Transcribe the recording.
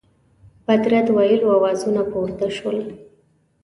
بد رد ویلو آوازونه پورته سول.